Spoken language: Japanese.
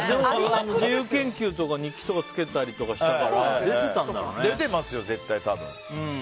自由研究とか日記とかつけてたから出てますよ、絶対多分。